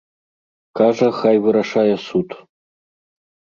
Кажа, хай вырашае суд.